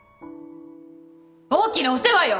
大きなお世話よ！